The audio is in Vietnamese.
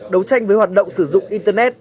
đấu tranh với hoạt động sử dụng internet